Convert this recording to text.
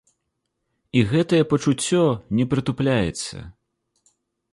І гэтае пачуццё не прытупляецца.